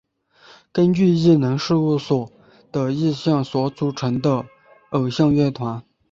根据艺能事务所的意向所组成的偶像乐团。